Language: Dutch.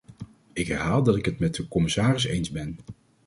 Ik herhaal dat ik het met de commissaris eens ben.